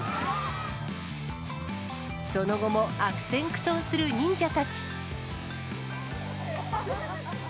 その後も悪戦苦闘する忍者たち。